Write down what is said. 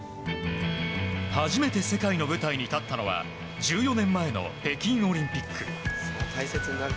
初めて世界の舞台に立ったのは１４年前の北京オリンピック。